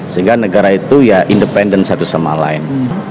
sehingga negara itu ya independen satu sama lain